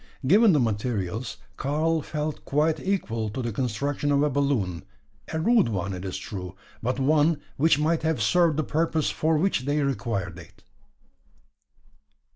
Given the materials, Karl felt quite equal to the construction of a balloon a rude one, it is true; but one which might have served the purpose for which they required it.